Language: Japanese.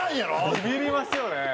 ビビりますよね。